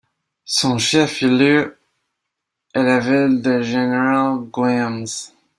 Son chef-lieu est la ville de General Güemes.